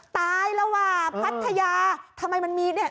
ตายแล้วว่ะพัทยาทำไมมันมีเนี่ย